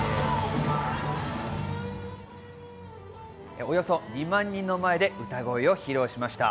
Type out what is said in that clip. およそ２万人の前で歌声を披露しました。